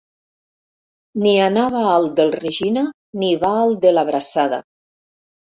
Ni anava al del Regina ni va al de l'Abraçada.